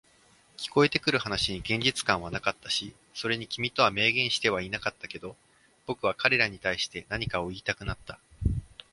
聞こえてくる話に現実感はなかったし、それに君とは明言してはいなかったけど、僕は彼らに対して何かを言いたくなった。